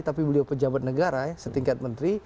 tapi beliau pejabat negara setingkat menteri